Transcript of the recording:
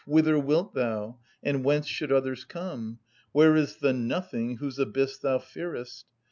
Whither wilt thou? And whence should others come? Where is the nothing whose abyss thou fearest?